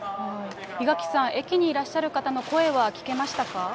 檜垣さん、駅にいらっしゃる方の声は聞けましたか。